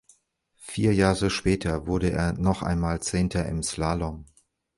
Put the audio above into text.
Vier Jahre später wurde er noch einmal Zehnter im Slalom.